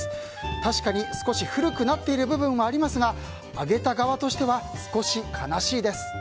確かに、少し古くなっている部分もありますがあげた側としては少し悲しいです。